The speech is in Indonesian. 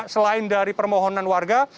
selain dari permohonan warga